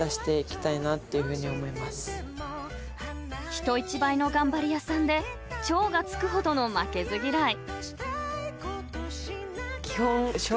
［人一倍の頑張り屋さんで超が付くほどの負けず嫌い］